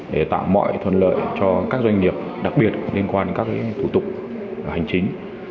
để tạo mọi thuận lợi cho các doanh nghiệp đặc biệt liên quan đến các thủ tục hành chính